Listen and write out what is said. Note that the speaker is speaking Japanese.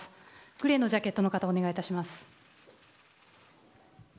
グレーのジャケットの方お願いします。